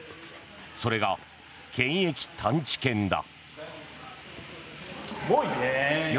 それが検疫探知犬だ。